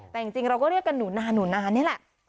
แต่จริงเราก็เรียกกันหนูนานหนูนานนี่แหละ